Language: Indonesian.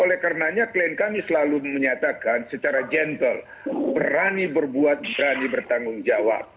oleh karenanya klien kami selalu menyatakan secara gentle berani berbuat berani bertanggung jawab